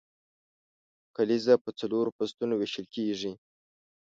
کلیزه په څلورو فصلو ویشل کیږي.